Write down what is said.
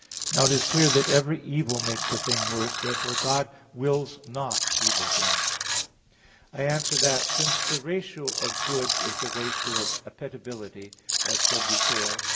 Now it is clear that every evil makes a thing worse. Therefore God wills not evil things. I answer that, Since the ratio of good is the ratio of appetibility, as said before (Q.